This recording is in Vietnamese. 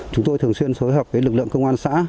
chúng tôi thường xuyên phối hợp với lực lượng công an xã